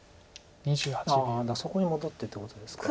ああだからそこに戻ってってことですか。